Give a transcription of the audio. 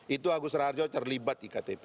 itu agus raharjo terlibat di ktv